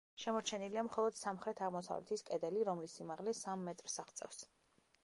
შემორჩენილია მხოლოდ სამხრეთ-აღმოსავლეთის კედელი, რომლის სიმაღლე სამ მეტრს აღწევს.